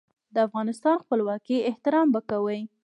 د افغانستان خپلواکۍ احترام به کوي.